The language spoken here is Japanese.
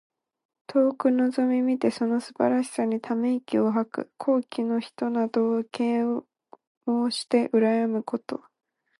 遠くのぞみ見てその素晴らしさにため息を吐く。高貴の人などを敬慕してうらやむこと。